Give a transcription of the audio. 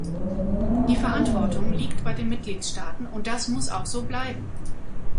Die Verantwortung liegt bei den Mitgliedstaaten, und das muss auch so bleiben.